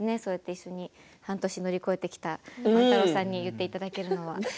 一緒に半年乗り越えてきた万太郎さんに言っていただけるのは。